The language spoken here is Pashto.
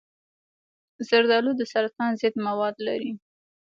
زردآلو د سرطان ضد مواد لري.